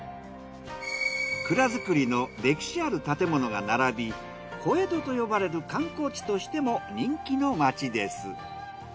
蔵造りの歴史ある建物が並び小江戸と呼ばれる観光地としても人気の街です。